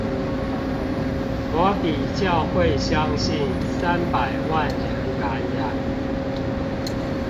我比較會相信三百萬人感染